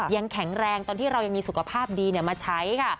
ยังแข็งแรงตอนที่เรายังมีสุขภาพดีมาใช้ค่ะ